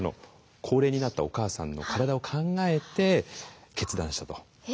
高齢になったお母さんの体を考えて決断したと。